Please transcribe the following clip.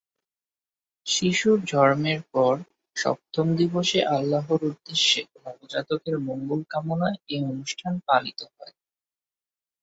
শিশুর জন্মের পর সপ্তম দিবসে আল্লাহর উদ্দেশ্যে নবজাতকের মঙ্গলকামনায় এ অনুষ্ঠান পালিত হয়।